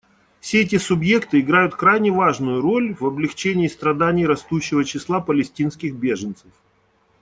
Все эти субъекты играют крайне важную роль в облегчении страданий растущего числа палестинских беженцев.